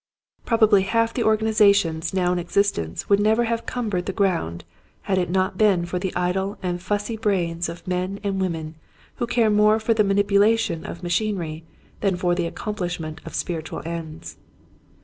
Probably half the organi zations now in existence would never have cumbered the ground had it not been for the idle and fussy brains of men and women who care more for the manipulation of machinery than for the accomplishment of spiritual ends.